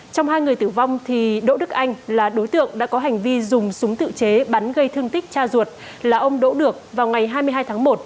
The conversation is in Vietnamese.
trong hai người tử vong đỗ đức anh là đối tượng đã có hành vi dùng súng tự chế bắn gây thương tích cha ruột là ông đỗ được vào ngày hai mươi hai tháng một